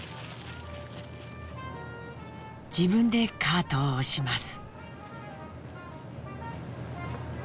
自分でカートを押します。